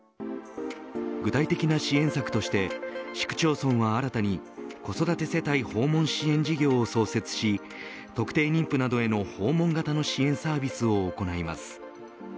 具体的な支援策として市区町村は新たに子育て世帯訪問支援事業を創設し特定妊婦などへの訪問型の支援サービスを行います。